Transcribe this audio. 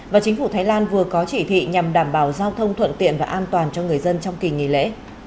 và chính phủ thái lan vừa có chỉ thị nhằm đảm bảo giao thông thuận tiện và an toàn cho người dân trong kỳ nghỉ lễ